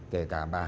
kể cả bà hạ